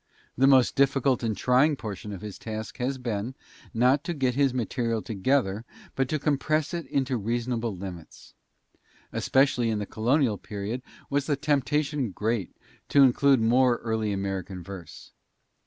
The most difficult and trying portion of his task has been, not to get his material together, but to compress it into reasonable limits. Especially in the colonial period was the temptation great to include more early American verse.